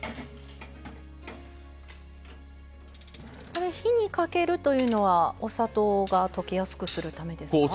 これ火にかけるというのはお砂糖が溶けやすくするためですか？